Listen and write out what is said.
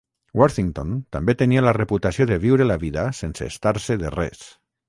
Worthington també tenia la reputació de viure la vida sense estar-se de res.